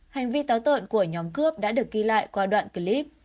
hành vi táo tợn của nhóm cướp đã được ghi lại qua đoạn clip